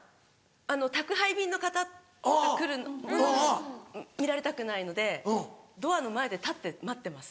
宅配便の方が来るのも見られたくないのでドアの前で立って待ってます。